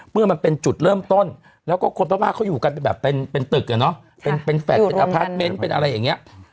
เมื่อมันเป็นจุดเริ่มต้นแล้วก็คนพม่าเขาอยู่กันเป็นแบบเป็นตึกอะเนาะเป็นแฟลต์เป็นอพาร์ทเมนต์เป็นอะไรอย่างนี้